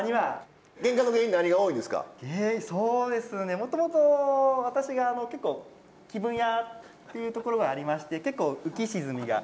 もともと私が結構気分屋っていうところがありまして結構浮き沈みが激しくて。